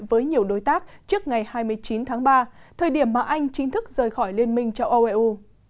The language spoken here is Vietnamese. với nhiều đối tác trước ngày hai mươi chín tháng ba thời điểm mà anh chính thức rời khỏi liên minh châu âu eu